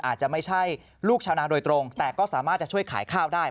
อาจจะไม่ใช่ลูกชาวนาโดยตรงแต่ก็สามารถจะช่วยขายข้าวได้